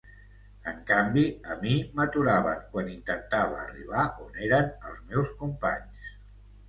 En canvi, a mi m’aturaven quan intentava arribar on eren els meus companys.